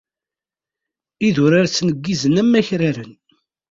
Idurar ttneggizen am wakraren.